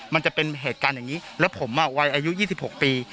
มันจะเป็นเหตุการณ์อย่างงี้แล้วผมอ่ะวัยอายุยี่สิบหกปี